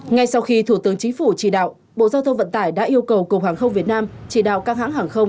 ngay sau khi thủ tướng chính phủ chỉ đạo bộ giao thông vận tải đã yêu cầu cục hàng không việt nam chỉ đạo các hãng hàng không